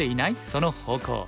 その方向」。